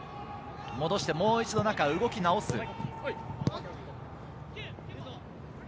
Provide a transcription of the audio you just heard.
戻してもう一度中、動き直す。